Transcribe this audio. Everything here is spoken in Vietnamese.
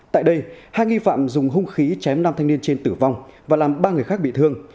tại đây hai nghi phạm dùng hung khí chém nam thanh niên trên tử vong và làm ba người khác bị thương